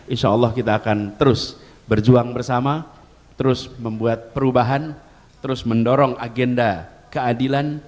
insya allah kita akan terus berjuang bersama terus membuat perubahan terus mendorong agenda keadilan